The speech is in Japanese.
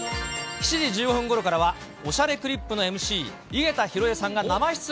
７時１５分ごろからは、おしゃれクリップのＭＣ、井桁弘恵さんが生出演。